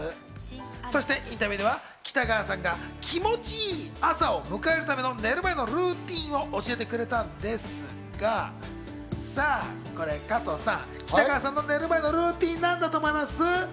そしてインタビューでは北川さんが気持ち良い朝を迎えるための寝る前のルーティンを教えてくれたんですが、さぁ、これ加藤さん、北川さんの寝る前のルーティン、何だと思います？